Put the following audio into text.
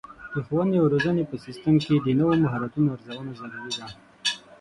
د ښوونې او روزنې په سیستم کې د نوو مهارتونو ارزونه ضروري ده.